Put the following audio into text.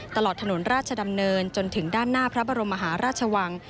ตลอดถนนราชดำเนินจนถึงด้านหน้าพระบรมมหาราชวัง